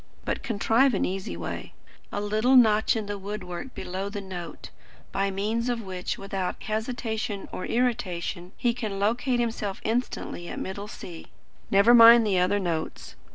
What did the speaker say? But contrive an easy way a little notch in the wood work below the note by means of which, without hesitation or irritation, he can locate himself instantly at middle C. Never mind the other notes.